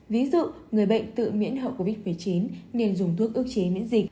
ví dụ người bệnh tự miễn hậu covid một mươi chín nên dùng thuốc ước chế miễn dịch